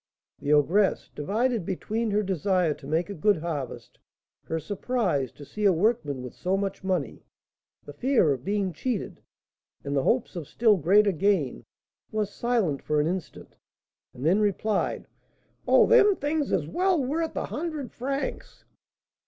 The ogress, divided between her desire to make a good harvest, her surprise to see a workman with so much money, the fear of being cheated, and the hopes of still greater gain, was silent for an instant, and then replied, "Oh, them things is well worth a hundred francs."